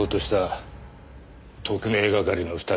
特命係の２人を。